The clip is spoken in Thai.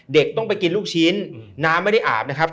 เด็กต้องไปกินลูกชิ้นน้ำไม่ได้อาบนะครับ